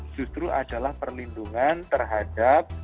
justru adalah perlindungan terhadap